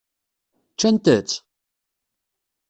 Ččant-tt?